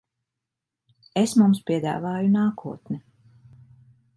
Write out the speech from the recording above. Es mums piedāvāju nākotni.